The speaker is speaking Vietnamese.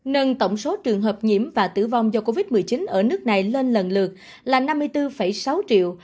nâng tổng số trường hợp nhiễm và tử vong do covid một mươi chín ở nước này lên lần lượt là năm mươi bốn sáu triệu